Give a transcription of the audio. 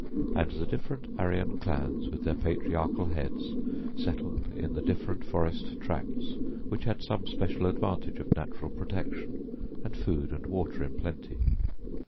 And the different Aryan clans with their patriarchal heads settled in the different forest tracts which had some special advantage of natural protection, and food and water in plenty.